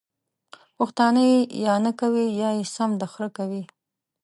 پښتانه ېې یا نکوي یا يې سم د خره کوي!